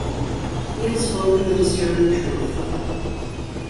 He had spoken the disturbing truth.